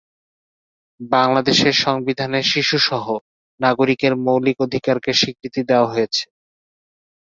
বাংলাদেশের সংবিধানে শিশু সহ নাগরিকের মৌলিক অধিকার কে স্বীকৃতি দেওয়া হয়েছে।